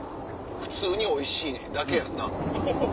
普通においしいだけやんな。